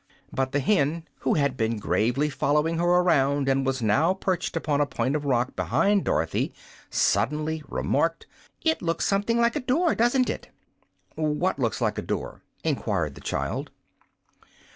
But the hen, who had been gravely following her around and was now perched upon a point of rock behind Dorothy, suddenly remarked: "It looks something like a door, doesn't it?" "What looks like a door?" enquired the child.